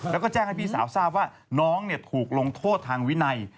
และแจ้งให้พี่สาวทราบว่าน้องถูกโทษทางวิไน